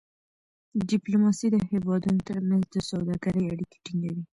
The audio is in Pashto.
ډيپلوماسي د هېوادونو ترمنځ د سوداګری اړیکې ټینګوي.